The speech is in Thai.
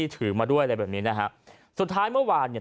ถือมาด้วยอะไรแบบนี้นะฮะสุดท้ายเมื่อวานเนี่ย